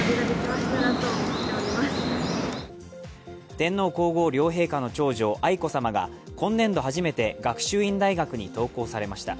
天皇皇后両陛下の長女、愛子さまが今年度初めて学習院大学に登校されました。